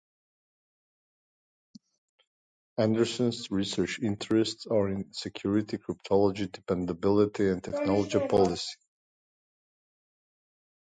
Anderson's research interests are in security, cryptology, dependability and technology policy.